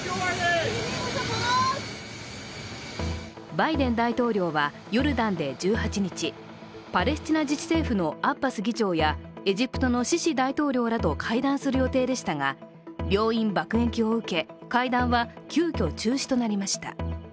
バイデン大統領はヨルダンで１８日、パレスチナ自治政府のアッバス議長やエジプトのシシ大統領らと会談する予定でしたが、病院爆撃を受け、会談は急きょ中止となりました。